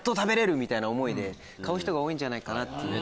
みたいな思いで買う人が多いんじゃないかな。